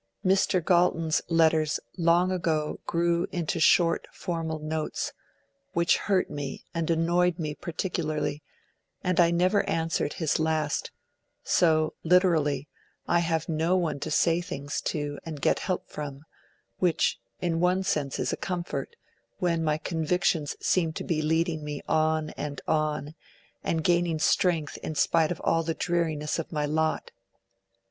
Mr. Galton's letters long ago grew into short formal notes, which hurt me and annoyed me particularly, and I never answered his last, so, literally, I have no one to say things to and get help from, which in one sense is a comfort when my convictions seem to be leading me on and on, and gaining strength in spite of all the dreariness of my lot.